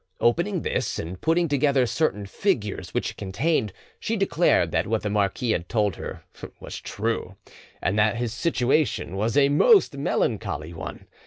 Opening this, and putting together certain figures which it contained, she declared that what the marquis had told her was true, and that his situation was a most melancholy one.